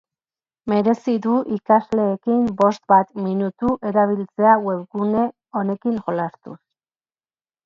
Merezi du ikasleekin bost bat minutu erabiltzea webgune honekin jolastuz.